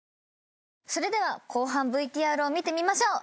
それでは後半ＶＴＲを見てみましょう。